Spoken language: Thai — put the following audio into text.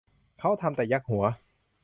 เขาทำ แต่ยักหัว